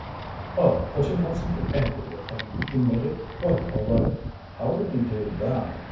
"Oh, but you mustn't be angry with him; he made it quite all right." "How did he do that?"